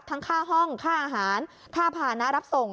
ค่าห้องค่าอาหารค่าผ่านะรับส่ง